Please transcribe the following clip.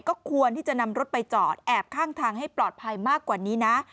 ก็ควรที่จะนำรถไปจอดแอบข้างทางให้ปลอดภัยมากกว่านี้นะ